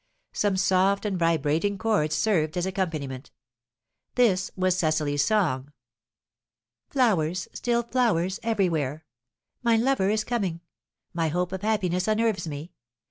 Some soft and vibrating chords served as accompaniment. This was Cecily's song: "Flowers still flowers, everywhere. My lover is coming my hope of happiness unnerves me.